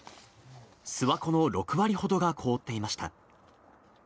諏訪湖の６割ほどが凍っていました。